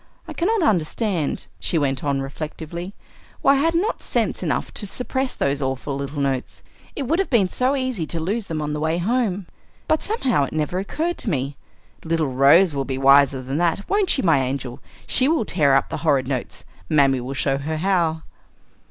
I cannot understand," she went on reflectively, "why I had not sense enough to suppress those awful little notes. It would have been so easy to lose them on the way home, but somehow it never occurred to me. Little Rose will be wiser than that; won't you, my angel? She will tear up the horrid notes mammy will show her how!"